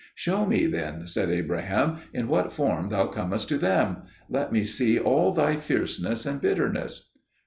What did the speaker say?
"Show me then," said Abraham, "in what form thou comest to them: let me see all thy fierceness and bitterness."